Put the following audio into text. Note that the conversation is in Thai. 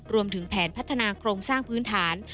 รวมถึงแผนพัฒนาโครงสร้างพื้นฐาน